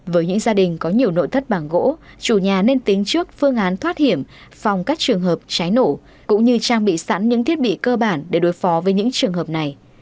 với những gia đình có nhiều nội thất bằng gỗ chủ nhà nên tính trước phương án thoát hiểm phòng các trường hợp cháy nổ cũng như trang bị sẵn những thiết bị cơ bản để đối phó với những trường hợp này